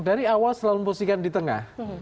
dari awal selalu mempunyai posisi di tengah